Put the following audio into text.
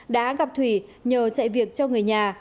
đã gặp thủy nhờ chạy việc cho người nhà